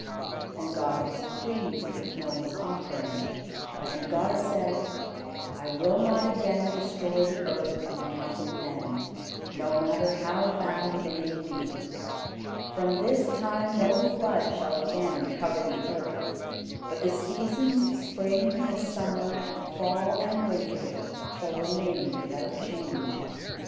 And God was pleased with Noah's offering, and God said: "I will not again destroy the earth on account of men, no matter how bad they may be. From this time no flood shall again cover the earth; but the seasons of spring and summer and fall and winter, shall remain without change.